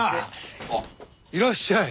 あっいらっしゃい。